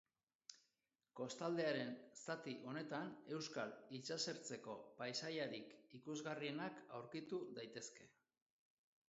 Kostaldearen zati honetan euskal itsasertzeko paisaiarik ikusgarrienak aurkitu daitezke.